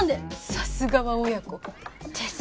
さすがは親子。ですね。